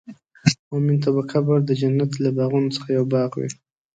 مؤمن ته به قبر د جنت له باغونو څخه یو باغ وي.